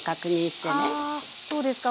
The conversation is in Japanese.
あそうですか。